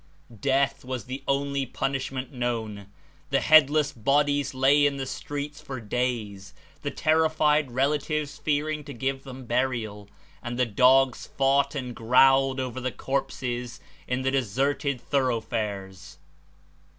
Death was the only punish ment known; the headless bodies lay in the streets for days, the terrified relatives fearing to give them burial, and the dogs fought and growled over the corpses in the deserted thoroughfares."